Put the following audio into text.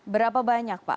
berapa banyak pak